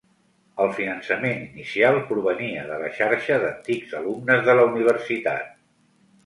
El finançament inicial provenia de la xarxa d'antics alumnes de la universitat.